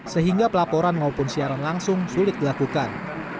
sehingga pelaporan maupun siaran langsung sulit dilakukan